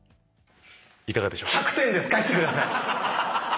いかがでしょうか？